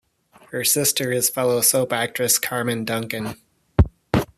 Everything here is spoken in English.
Her sister is fellow soap actress Carmen Duncan.